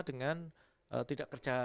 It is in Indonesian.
dengan tidak kerja